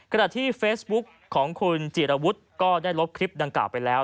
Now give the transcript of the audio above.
ขณะที่เฟซบุ๊กของคุณจิรวุฒิก็ได้ลบคลิปดังกล่าวไปแล้ว